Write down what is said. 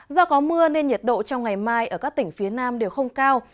do có mưa nên nhiệt độ trong ngày mai ở các tỉnh phía nam đều không cao